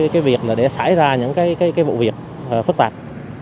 cái việc để xảy ra những cái vụ việc phức tạp